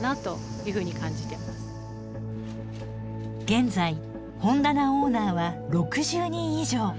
現在本棚オーナーは６０人以上。